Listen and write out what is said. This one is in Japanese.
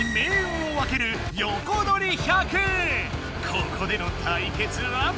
ここでの対決は？